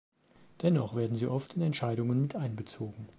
Dennoch werden sie oft in Entscheidungen mit einbezogen.